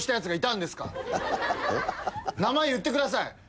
名前言ってください